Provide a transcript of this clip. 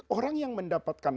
orang yang mendapatkan